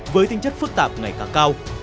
với tinh chất phức tạp ngày càng cao